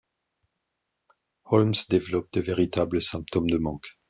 Holmes développe de véritables symptômes de manque.